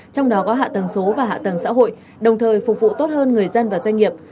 trong đó có hạ tầng số và hạ tầng xã hội đồng thời phục vụ tốt hơn người dân và doanh nghiệp